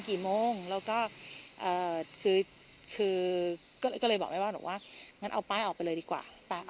ก็เลยบอกแม่บ้านว่างั้นเอาป้ายออกไปเลยดีกว่า